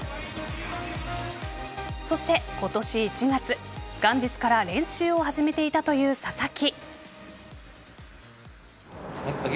そして、今年１月元日から練習を始めていたという佐々木。